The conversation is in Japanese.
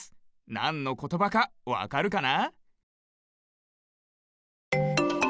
なんのことばかわかるかな？